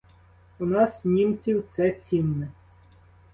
У нас, німців, це цінне.